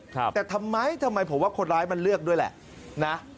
แต่ทำไมทำไมผมว่าคนร้ายมันเลือกด้วยแหละนะ